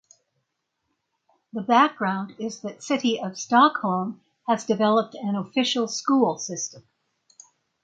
The background is that City of Stockholm has developed an official school system.